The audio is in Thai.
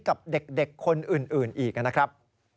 กับเด็กคนอื่นอีกนะครับ